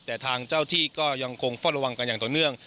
แต่ทางเจ้าที่ก็ยังคงเฝ้าระวังกันอย่างต่อเนื่อง